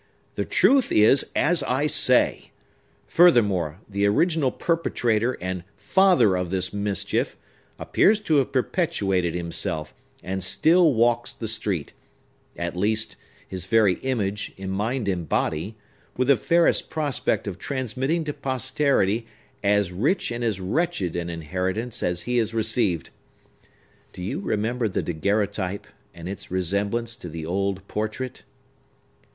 "The truth is as I say! Furthermore, the original perpetrator and father of this mischief appears to have perpetuated himself, and still walks the street,—at least, his very image, in mind and body,—with the fairest prospect of transmitting to posterity as rich and as wretched an inheritance as he has received! Do you remember the daguerreotype, and its resemblance to the old portrait?"